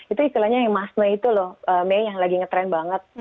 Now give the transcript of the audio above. itu istilahnya yang masne itu loh may yang lagi ngetrend banget